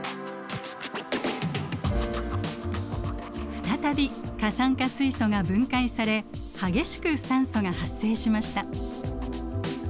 再び過酸化水素が分解され激しく酸素が発生しました。